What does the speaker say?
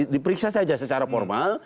diperiksa aja secara formal